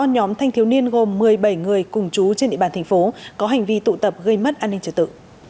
năm nhóm thanh thiếu niên gồm một mươi bảy người cùng chú trên địa bàn thành phố có hành vi tụ tập gây mất an ninh trật tự